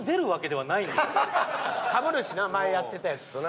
かぶるしな前やってたやつとな。